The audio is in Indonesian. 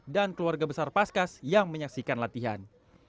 dan keluarga besar paskas yang menyaksikan latihan